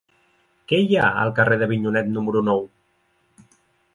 Què hi ha al carrer d'Avinyonet número nou?